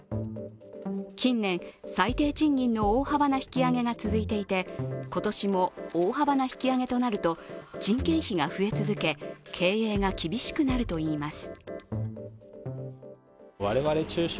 近年、最低賃金の大幅な引き上げが続いていて今年も大幅な引き上げとなると人件費が増え続け、経営が厳しくなるといいます。